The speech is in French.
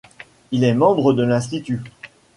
Il est membre de l'Institut.